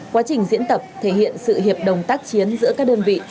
quá trình diễn tập thể hiện sự hiệp đồng tác chiến giữa các đơn vị